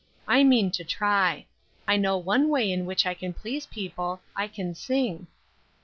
I mean to try. I know one way in which I can please people, I can sing."